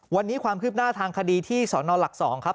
วันนี้ความคืบหน้าทางคดีที่สนหลัก๒ครับ